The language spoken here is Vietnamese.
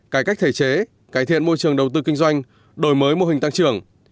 cải cách thể chế cải thiện môi trường đầu tư kinh doanh đổi mới mô hình tăng trưởng